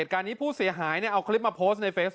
เหตุการณ์ผู้เสียหายเนี่ย